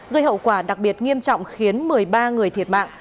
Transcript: gây hậu quả đặc biệt nghiêm trọng khiến một mươi ba người thiệt mạng